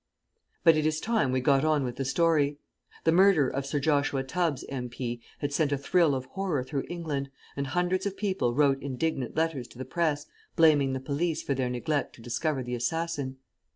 But it is time we got on with the story. The murder of Sir Joshua Tubbs, M.P. had sent a thrill of horror through England, and hundreds of people wrote indignant letters to the Press, blaming the police for their neglect to discover the assassin.